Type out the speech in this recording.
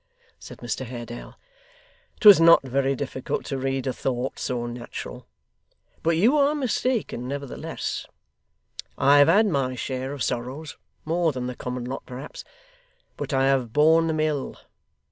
'Tut, tut,' said Mr Haredale, ''twas not very difficult to read a thought so natural. But you are mistaken nevertheless. I have had my share of sorrows more than the common lot, perhaps, but I have borne them ill.